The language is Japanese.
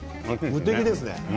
無敵ですね。